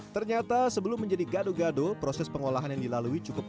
ternyata sebelum menjadi gado gado proses pengolahan yang dilalui cukup